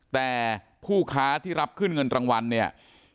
แต่ผู้ค้าที่รับขึ้นเงินรางวัลเนี่ย